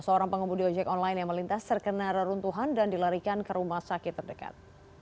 seorang pengemudi ojek online yang melintas terkena reruntuhan dan dilarikan ke rumah sakit terdekat